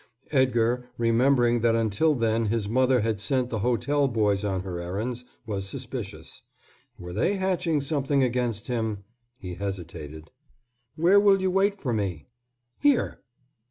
Edgar, remembering that until then his mother had sent the hotel boys on her errands, was suspicious. Were they hatching something against him? He hesitated. "Where will you wait for me?" "Here."